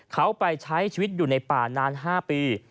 เขาไปใช้ชีวิตอยู่ในป่านาน๕ปี